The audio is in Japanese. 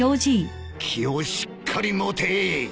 気をしっかり持て！